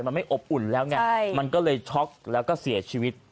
มันไม่อบอุ่นแล้วไงมันก็เลยช็อกแล้วก็เสียชีวิต